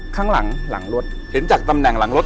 ข้างหลังหลังรถเห็นจากตำแหน่งหลังรถ